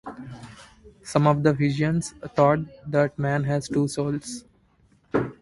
Some of the Fijians thought that man has two souls.